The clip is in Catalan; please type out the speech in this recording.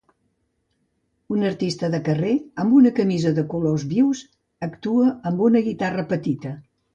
Un artista de carrer amb una camisa de colors vius actua amb una guitarra petita.